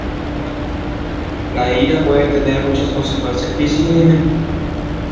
La ira puede tener muchas consecuencias físicas y mentales.